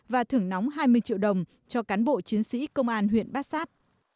và thưởng nóng hai mươi triệu đồng cho cán bộ chiến sĩ công an huyện bát sát